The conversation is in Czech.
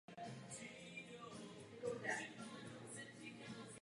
Prací se pak snažil zahnat žal.